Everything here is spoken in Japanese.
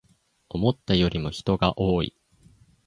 思ったよりも人が多い